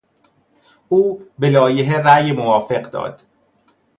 او به لایحه رای موافق داد.